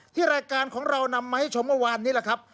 รายการของเรานำมาให้ชมเมื่อวานนี้แหละครับ